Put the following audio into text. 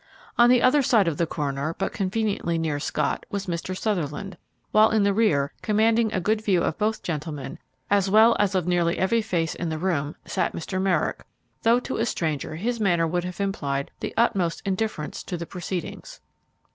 On the other side of the coroner, but conveniently near Scott, was Mr. Sutherland, while in the rear, commanding a good view of both gentlemen, as well as of nearly every face in the room, sat Mr. Merrick, though to a stranger his manner would have implied the utmost indifference to the proceedings.